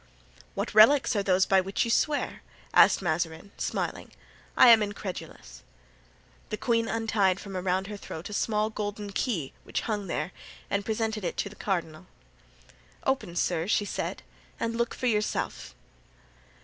"What relics are those by which you swear?" asked Mazarin, smiling. "I am incredulous." The queen untied from around her throat a small golden key which hung there, and presented it to the cardinal. "Open, sir," she said, "and look for yourself."